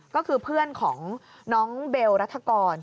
ก็คือเพื่อนของน้องเบลรัฐกร